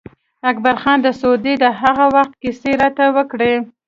اکبر خان د سعودي د هغه وخت کیسې راته وکړې.